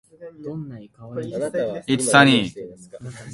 今日は晴れだ